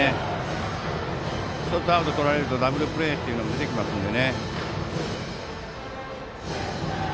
１つアウトとられるとダブルプレーが出てきますので。